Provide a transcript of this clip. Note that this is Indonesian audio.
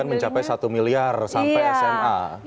dana pendidikan mencapai satu miliar sampai sma